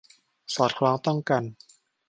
สอดคล้องต้องกัน